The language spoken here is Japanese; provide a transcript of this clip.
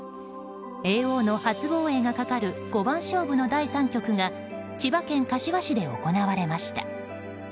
叡王の初防衛がかかる五番勝負の第３局が千葉県柏市で行われました。